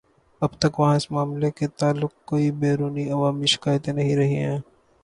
اب تک وہاں اس معاملے کے متعلق کوئی بیرونی عوامی شکایتیں نہیں رہی ہیں